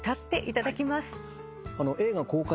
映画公開